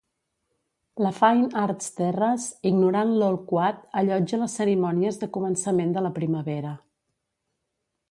La Fine Arts Terrace, ignorant l'Old Quad, allotja les cerimònies de començament de la primavera.